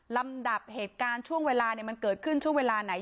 ลำดับเหตุการณ์ช่วงเวลามันเกิดขึ้นช่วงเวลาไหน